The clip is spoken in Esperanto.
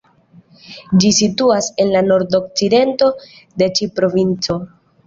Ĝi situas en la nordokcidento de ĉi provinco.